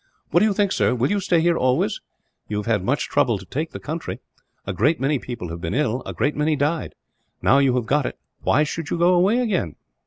"What do you think, sir will you stay here always? You have had much trouble to take the country. A great many people have been ill; a great many died. Now you have got it, why should you go away again?"